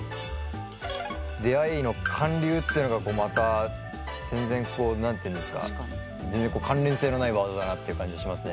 「出会い」の「韓流」っていうのがまた全然何ていうんですか全然関連性のないワードだなっていう感じがしますね。